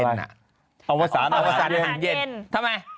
อวสานอาหารเย็นอวสานอาหารเย็นทำไม